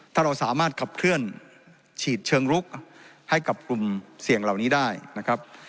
ถ้าเราสามารถขับเคลื่อนฉีดเชิงลุกให้กับกลุ่มเสี่ยงเหล่านี้ได้นะครับ